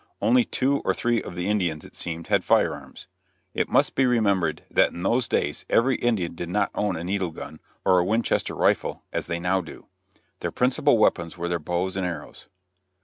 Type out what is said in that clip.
Only two or three of the Indians, it seemed, had fire arms. It must be remembered that in those days every Indian did not own a needle gun or a Winchester rifle, as they now do. Their principal weapons were their bows and arrows.